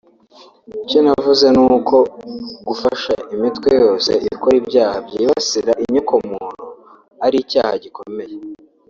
Icyo navuze ni uko gufasha imitwe yose ikora ibyaha byibasira inyoko muntu ari icyaha gikomeye